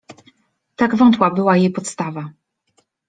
Tak wątła była jej podstawa.